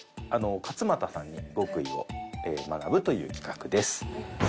勝俣さんに極意を学ぶという企画です。